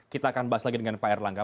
kita akan bahas lagi dengan pak r langga